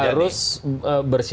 adanya aturan baru ya